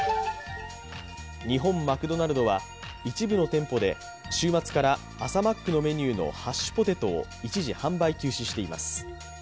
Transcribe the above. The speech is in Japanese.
日本マクドナルドは一部の店舗で週末から朝マックのメニューのハッシュポテトを一時販売休止しています。